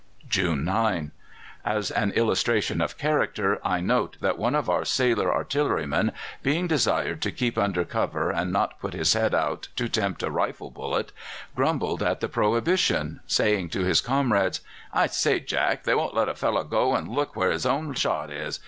"June 9. As an illustration of character I note that one of our sailor artillerymen, being desired to keep under cover and not put his head out to tempt a rifle bullet, grumbled at the prohibition, saying to his comrades: 'I say, Jack, they won't let a fellow go and look where his own shot is.